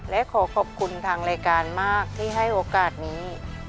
และขอขอบคุณทางรายการมากที่ให้โอกาสนี้